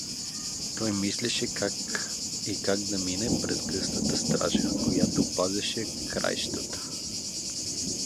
Той мислеше как и как да мине през гъстата стража, която пазеше краищата.